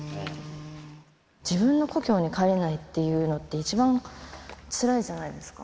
自分の故郷に帰れないっていうのって一番つらいじゃないですか。